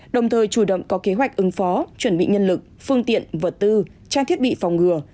đồng thời chủ động có kế hoạch ứng phó chuẩn bị nhân lực phương tiện vật tư trang thiết bị phòng ngừa